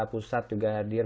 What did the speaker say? pusat juga hadir